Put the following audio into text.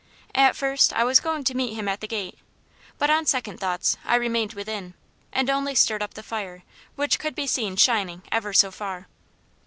At first I was going to meet him at the gate, but on second thoughts I remained within, and only stirred up the fire, which could be seen shining ever so far.